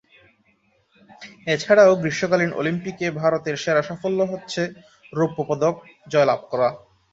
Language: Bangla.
এছাড়াও, গ্রীষ্মকালীন অলিম্পিকে ভারতের সেরা সাফল্য হচ্ছে রৌপ্য পদক জয়লাভ করা।